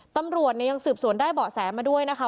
ตำรวจเนี่ยยังสืบสวนได้เบาะแสมาด้วยนะคะ